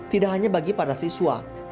tidak hanya bagi para siswa